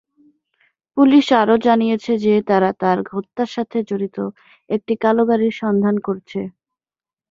Police আরও জানিয়েছে যে তারা তার হত্যার সাথে জড়িত একটি কালো গাড়ির সন্ধান করছে।